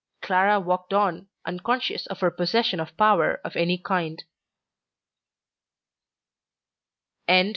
Clara walked on, unconscious of her possession of power of any kind.